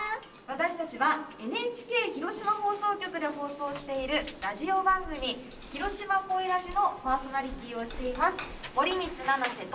私たちはＮＨＫ広島放送局で放送しているラジオ番組「ひろしまコイらじ」のパーソナリティーをしています森光七彩と。